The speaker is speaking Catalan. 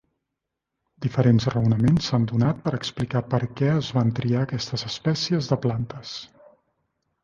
Diferents raonaments s'han donat per explicar per què es van triar aquestes espècies de plantes.